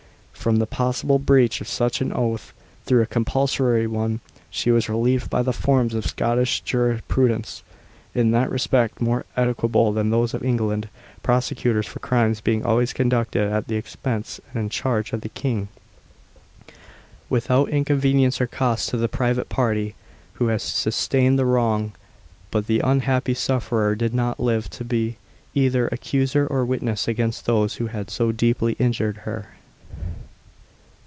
From the possible breach of such an oath, though a compulsory one, she was relieved by the forms of Scottish jurisprudence, in that respect more equitable than those of England, prosecutions for crimes being always conducted at the expense and charge of the King, without inconvenience or cost to the private party who has sustained the wrong. But the unhappy sufferer did not live to be either accuser or witness against those who had so deeply injured her.